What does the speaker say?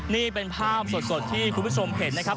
นี่เป็นภาพสดที่คุณผู้ชมเห็นนะครับ